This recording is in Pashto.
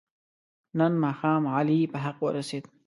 نن ماښام علي په حق ورسید.